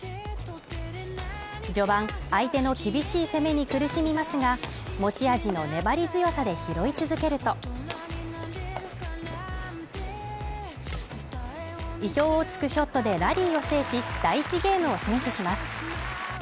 序盤、相手の厳しい攻めに苦しみますが、持ち味の粘り強さで拾い続けると意表を突くショットでラリーを制し第１ゲームを先取します。